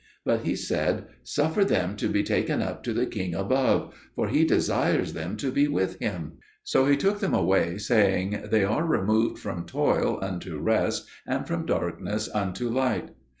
But he said, 'Suffer them to be taken up to the King above, for He desires them to be with Him.' So he took them away, saying, 'They are removed from toil unto rest, and from darkness unto light.'